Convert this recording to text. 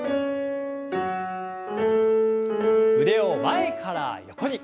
腕を前から横に。